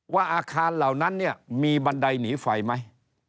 ว่าอาคารเหล่านั้นเนี่ยมีบันไดหนีไฟไหม